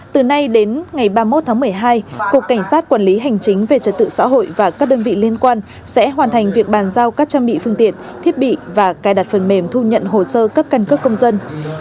từ nay đến ngày ba mươi một tháng một mươi hai cục cảnh sát quản lý hành chính về trật tự xã hội và các đơn vị liên quan sẽ hoàn thành việc bàn giao các trang bị phương tiện thiết bị và cài đặt phần mềm thu nhận hồ sơ cấp căn cước công dân